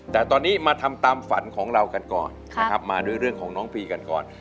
แต่ตอนนี้มาทำตามฝันของเรากันก่อนนะครับมาด้วยเรื่องของน้องพีกันก่อน